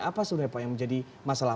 apa sebenarnya pak yang menjadi masalah